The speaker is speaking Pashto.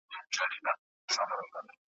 تر قیامته به پر خړو خاورو پلن یو ,